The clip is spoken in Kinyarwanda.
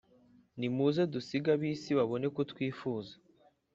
nimuze, dusige ab'isi, babone kutwifuza.